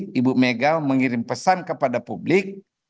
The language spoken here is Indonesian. jadi ibu megawati mengirim pesan kepada publik